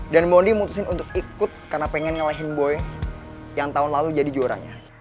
dan mondi mutusin untuk ikut karena pengen ngalahin boy yang tahun lalu jadi juaranya